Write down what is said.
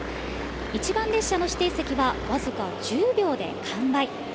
一番列車の指定席は僅か１０秒で完売。